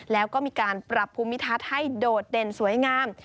แล้วก็มีการปรับภูมิทัศน์ให้โดดเด่นสวยงาม